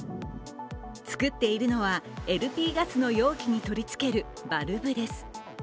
作っているのは、ＬＰガスの容器に取り付けるバルブです。